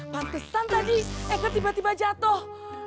pantesan tadi eke tiba tiba jatoh